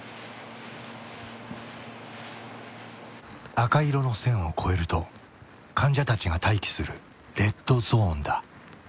赤色の線を越えると患者たちが待機するレッドゾーンだ。